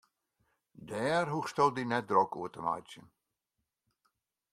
Dêr hoechsto dy net drok oer te meitsjen.